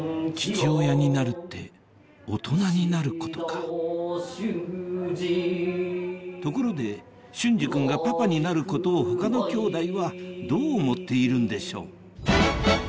父親になるって大人になることかところで隼司君がパパになることを他のきょうだいはどう思っているんでしょう？